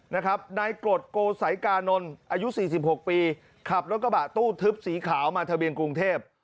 นายกรดโกสัยกานนท์อายุ๔๖ปีขับรถกระบะตู้ทึบสีขาวมาทะเบียนกรุงเทพ